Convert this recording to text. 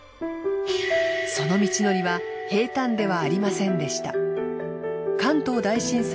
その道のりは平坦ではありませんでした。